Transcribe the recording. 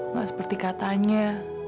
nggak seperti katanya